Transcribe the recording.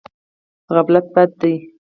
غفلت بد دی.